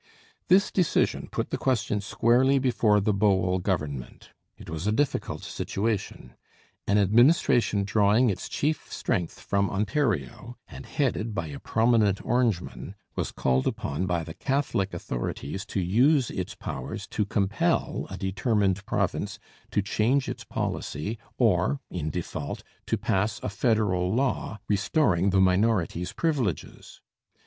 This decision put the question squarely before the Bowell Government. It was a difficult situation. An administration drawing its chief strength from Ontario, and headed by a prominent Orangeman, was called upon by the Catholic authorities to use its powers to compel a determined province to change its policy or, in default, to pass a federal law restoring the minority's privileges.